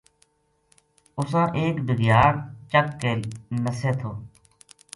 اُساں ایک بھگیاڑ چک کے نسے تھو